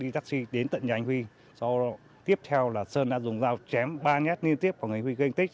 khi đến tận nhà anh huy sau đó tiếp theo là sơn đã dùng dao chém ba nhát liên tiếp vào người anh huy gây kinh tích